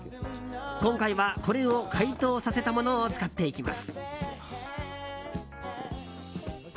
今回は、これを解凍させたものを使っていきます。